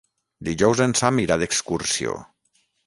Dijous en Sam irà d'excursió.